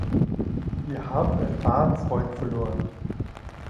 Wir haben einen wahren Freund verloren.